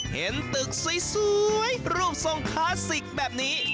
เห็นตึกสวยรูปทรงคลาสสิกแบบนี้